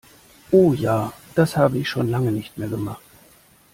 Oh ja, das habe ich schon lange nicht mehr gemacht!